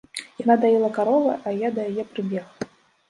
Яна даіла каровы, а я да яе прыбег.